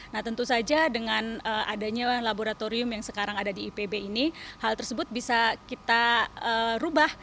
nah tentu saja dengan adanya laboratorium yang sekarang ada di ipb ini hal tersebut bisa kita rubah